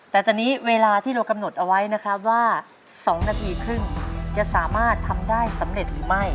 แต่ตอนนี้เวลาที่เรากำหนดเอาไว้นะครับว่า๒นาทีครึ่งจะสามารถทำได้สำเร็จหรือไม่